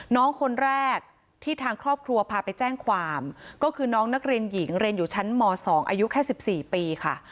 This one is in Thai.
น้องคนแรกที่ทางครอบครัวพาไปแจ้งความก็คือน้องนักเรียนหญิงเรียนอยู่ชั้นม๒อายุแค่๑๔ปีค่ะ